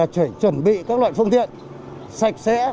chuẩn bị các loại phương tiện sạch sẽ